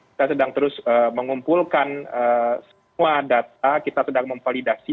kita sedang terus mengumpulkan semua data kita sedang memvalidasi